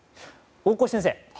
大越先生